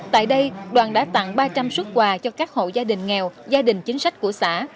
tại đây đoàn đã tặng ba trăm linh xuất quà cho các hộ gia đình nghèo gia đình chính sách của xã